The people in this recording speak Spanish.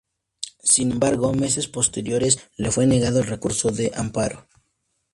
Sin embargo, meses posteriores le fue negado el recurso de amparo.